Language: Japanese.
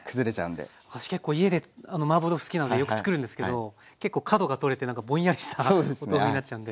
私結構家でマーボー豆腐好きなのでよくつくるんですけど結構角が取れて何かぼんやりしたお豆腐になっちゃうんで。